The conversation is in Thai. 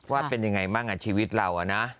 ว่าเป็นยังไงบ้างชีวิตเรานะ